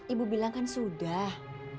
ibu bilang kan sudah